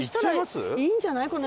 いいんじゃない？